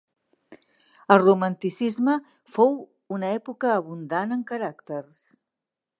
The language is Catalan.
El Romanticisme fou una època abundant en caràcters.